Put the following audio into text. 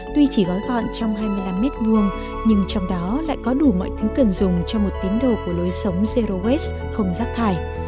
tuy chỉ gói gọn trong hai mươi năm m hai nhưng trong đó lại có đủ mọi thứ cần dùng cho một tín đồ của lối sống zero waz không rác thải